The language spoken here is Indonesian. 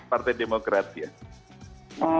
partai demokrat ya